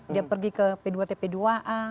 dia pergi ke p dua tp dua a